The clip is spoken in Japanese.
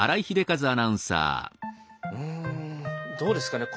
うんどうですかね。